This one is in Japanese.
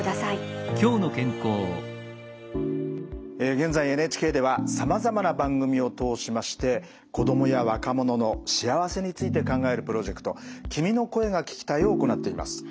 現在ＮＨＫではさまざまな番組を通しまして子供や若者の幸せについて考えるプロジェクト「君の声が聴きたい」を行っています。